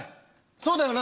そうだよな？